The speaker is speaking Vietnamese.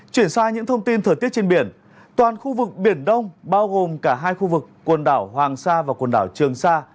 chuyển sang những thông tin thời tiết trên biển toàn khu vực biển đông bao gồm cả hai khu vực quần đảo hoàng sa và quần đảo trường sa